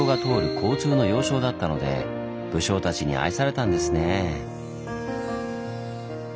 交通の要衝だったので武将たちに愛されたんですねぇ。